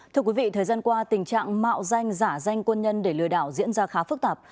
thưa quý vị thời gian qua tình trạng mạo danh giả danh quân nhân để lừa đảo diễn ra khá phức tạp